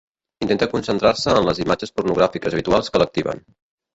Intenta concentrar-se en les imatges pornogràfiques habituals que l'activen.